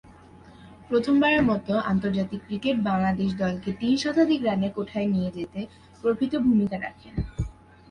প্রথমবারের মতো আন্তর্জাতিক ক্রিকেটে বাংলাদেশ দলকে তিন শতাধিক রানের কোঠায় নিয়ে যেতে প্রভূতঃ ভূমিকা রাখেন।